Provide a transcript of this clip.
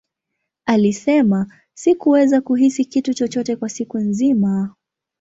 Alisema, Sikuweza kuhisi kitu chochote kwa siku nzima.